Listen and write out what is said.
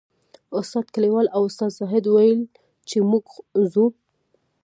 استاد کلیوال او استاد زاهد ویل چې موږ ځو.